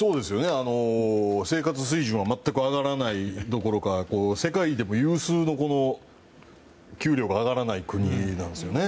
生活水準は全く上がらないどころか世界でも有数の給料が上がらない国なんですよね。